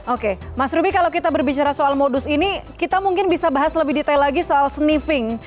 oke mas ruby kalau kita berbicara soal modus ini kita mungkin bisa bahas lebih detail lagi soal sniffing